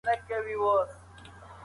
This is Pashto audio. موږ واقعیتونه په سترګو لیدلای سو.